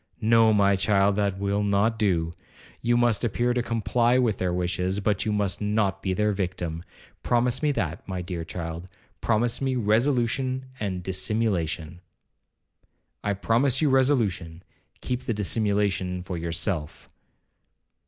'No, my child, that will not do, you must appear to comply with their wishes, but you must not be their victim,—promise me that, my dear child,—promise me resolution and dissimulation.' 'I promise you resolution, keep the dissimulation for yourself.'